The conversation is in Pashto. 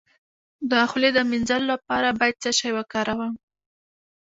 د خولې د مینځلو لپاره باید څه شی وکاروم؟